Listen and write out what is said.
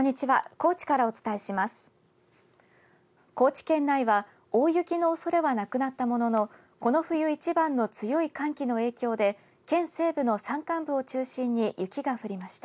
高知県内は大雪のおそれはなくなったもののこの冬一番の強い寒気の影響で県西部の山間部を中心に雪が降りました。